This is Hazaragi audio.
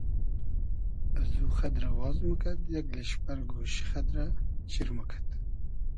از او خئد رۂ واز موکئد یئگ لیشپئر گۉشی خئد رۂ چیر موکئد